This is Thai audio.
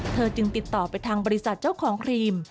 จึงติดต่อไปทางบริษัทเจ้าของครีม